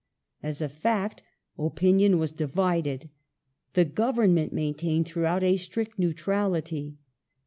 As a fact opinion was divided. ^"S'and The Government maintained throughout a strict neutrality.